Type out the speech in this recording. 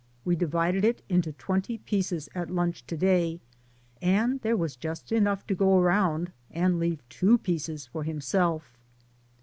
We divided it into twenty pieces at lunch to day, and there was just enough to go around and leave two pieces for himself.